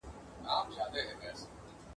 په بېغمه یې د تور دانې خوړلې ..